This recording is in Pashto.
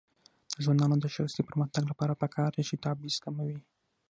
د ځوانانو د شخصي پرمختګ لپاره پکار ده چې تبعیض کموي.